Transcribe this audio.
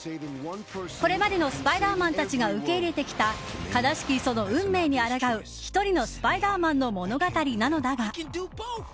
これまでのスパイダーマンたちが受け入れてきた悲しきその運命にあらがう１人のスパイダーマンの物語なのだが。